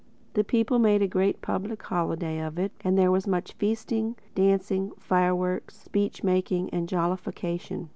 The people made a great public holiday of it and there was much feasting, dancing, fireworks, speechmaking and jollification.